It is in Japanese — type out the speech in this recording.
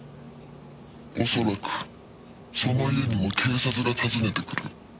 「おそらくその家にも警察が訪ねてくる」